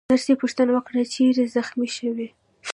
نرسې پوښتنه وکړه: چیرې زخمي شوې؟